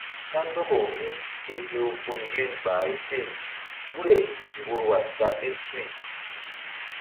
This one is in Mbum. Kandɔkaw míke hew gun yeri ɓahri se guri-ay ŋgorwa ta ɓil suy.